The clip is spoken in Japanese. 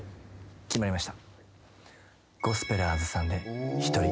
決まりました。